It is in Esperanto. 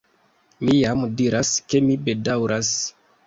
Mi jam diras ke mi bedaŭras.